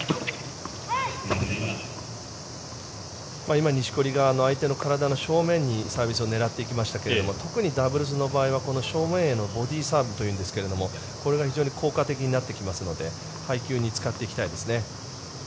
今錦織が相手の体の正面にサービスを狙っていきましたが特にダブルスの場合はこの正面へのボディーサーブというんですがこれが非常に効果的になってきますので配球に使っていきたいですね。